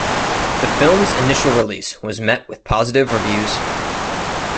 The film's initial release was met with positive reviews.